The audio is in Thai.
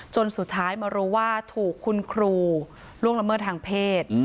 จนสุดท้ายมารู้ว่าถูกคุณครูล่วงละเมิดทางเพศ